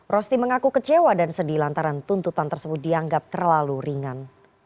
rosti mengaku kecewa dan sedih lantaran tuntutan tersebut dianggap terlalu ringan